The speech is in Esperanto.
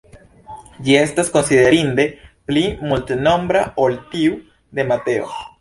Ĝi estas konsiderinde pli multnombra ol tiu de Mateo.